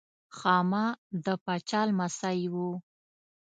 خاما د پاچا لمسی و.